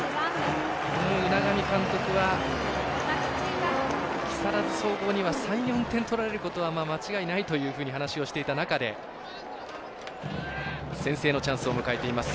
海上監督は木更津総合には３４点取られるということは間違いないと話をしていた中で先制のチャンスを迎えています。